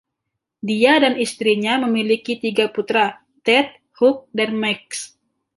Dia dan istrinya memiliki tiga putra, Ted, Hugh, dan Max.